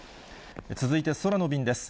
続いて空の便です。